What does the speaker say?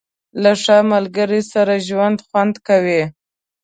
• له ښه ملګري سره ژوند خوند کوي.